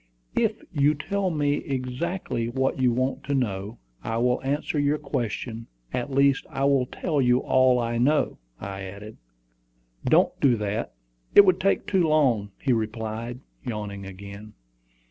"If you will tell me exactly what you want to know, I will answer your questions; at least, I will tell you all I know," I added. "Don't do that: it would take too long," he replied, yawning again.